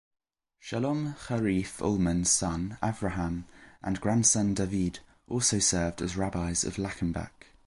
Shalom Charif Ullmann's son, Avraham, and grandson, David, also served as Rabbis of Lackenbach.